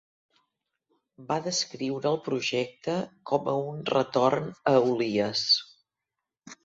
Va descriure el projecte com a un "retorn a Olias".